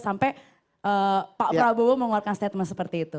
sampai pak prabowo mengeluarkan statement seperti itu